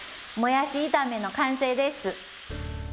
もやし炒めの完成です。